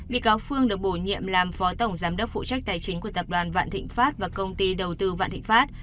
bị cáo phương được bổ nhiệm làm phó tổng giám đốc phụ trách tài chính của tập đoàn vạn thịnh pháp và công ty đầu tư vạn thịnh pháp